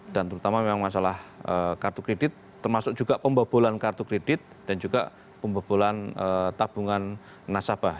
dan terutama memang masalah kartu kredit termasuk juga pembobolan kartu kredit dan juga pembobolan tabungan nasabah